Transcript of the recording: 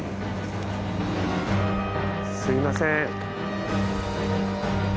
すいません。